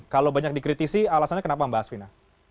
kalau banyak dikritisi alasannya kenapa mbak asvina